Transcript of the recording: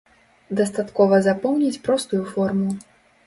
Дастаткова запоўніць простую форму.